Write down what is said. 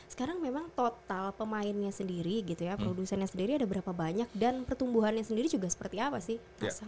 sekarang memang total pemainnya sendiri gitu ya produsennya sendiri ada berapa banyak dan pertumbuhannya sendiri juga seperti apa sih